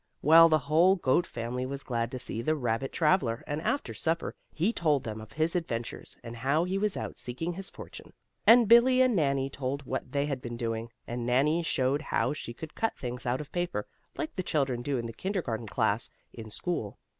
Well, the whole goat family was glad to see the rabbit traveler, and after supper he told them of his adventures, and how he was out seeking his fortune. And Billie and Nannie told what they had been doing, and Nannie showed how she could cut things out of paper, like the children do in the kindergarten class in school.